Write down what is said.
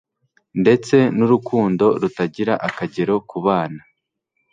ndetse n'urukundo rutagira akagero ku bana